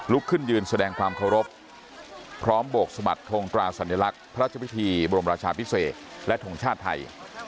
ขึ้นยืนแสดงความเคารพพร้อมโบกสมัครทรงตราสัญลักษณ์พระราชพิธีบรมราชาพิเศษและทงชาติไทย